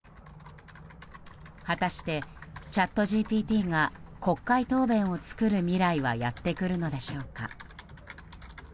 果たして、チャットＧＰＴが国会答弁を作る未来はやってくるのでしょうか。